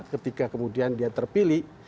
ketika kemudian dia terpilih